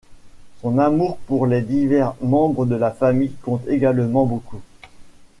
Son amour pour les divers membres de sa famille compte également beaucoup.